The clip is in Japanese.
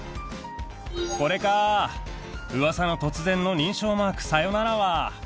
これかー、うわさの突然の認証マークさよならは。